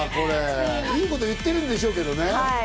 いいこと言ってるんでしょうけどね。